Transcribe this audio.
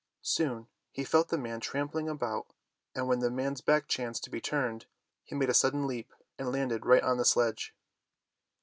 Soon he felt the man trampling about and when the man's back chanced to be turned, he made a sudden leap, and landed right on the sledge.